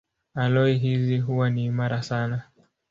Aloi hizi huwa ni imara sana.